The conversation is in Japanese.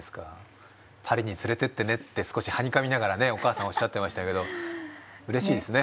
パリに連れてってねって少しはにかみながらお母さんおっしゃってましたけどうれしいですね